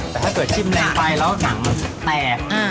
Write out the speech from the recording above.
แต่ถ้าเกิดจิ้มลงไปแล้วหนังมันแตก